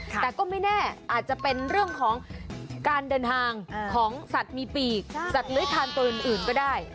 แต่ก็ไม่แน่อาจจะเป็นเรื่องของการเดินทางของสัตว์มีปีกสัตว์เลื้อยทานตัวอื่นก็ได้